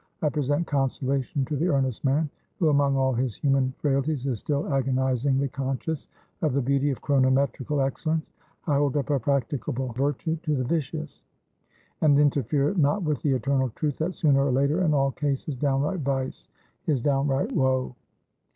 I present consolation to the earnest man, who, among all his human frailties, is still agonizingly conscious of the beauty of chronometrical excellence. I hold up a practicable virtue to the vicious; and interfere not with the eternal truth, that, sooner or later, in all cases, downright vice is downright woe.